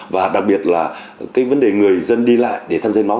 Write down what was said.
và đặc biệt là cái vấn đề người dân đi lại để tham gia máu